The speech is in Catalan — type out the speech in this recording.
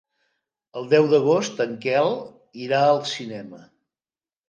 El deu d'agost en Quel irà al cinema.